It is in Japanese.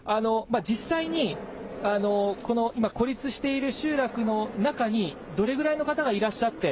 実際に、今孤立している集落の中にどれぐらいの方がいらっしゃって、